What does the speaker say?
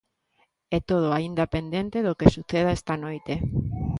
E todo aínda pendente do que suceda esta noite.